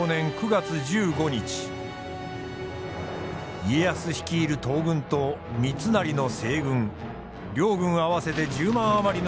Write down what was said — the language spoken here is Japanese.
家康率いる東軍と三成の西軍両軍合わせて１０万余りの兵たちが関ケ原盆地に集結した。